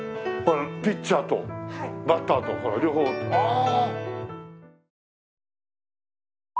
ピッチャーとバッターとほら両方ああ。